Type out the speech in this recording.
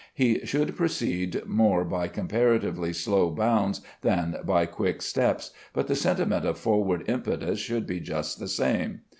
He should proceed more by comparatively slow bounds than by quick steps, but the sentiment of forward impetus should be just the same.